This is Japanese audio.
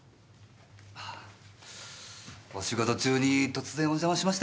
お仕事中に突然お邪魔しまして。